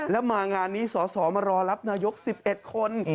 แล้วมางานนี้สอสอมารอรับนายกประยุทธิ์๑๑คน